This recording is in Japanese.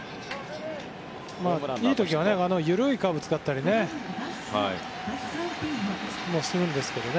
いい時は緩いカーブを使ったりもするんですけどね。